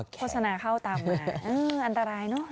โฆษณาข้าวต่ำอ่ะอืมอันตรายเนอะ